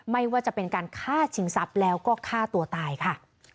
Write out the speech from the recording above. ไม่ว่าจะเป็นการฆ่าชิงทรัพย์แล้วก็ฆ่าตัวตายค่ะ